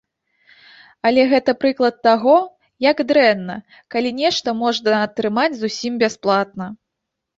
Але гэта прыклад таго, як дрэнна, калі нешта можна атрымаць зусім бясплатна.